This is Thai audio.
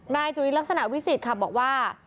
จุลินลักษณะวิสิทธิ์ค่ะบอกว่า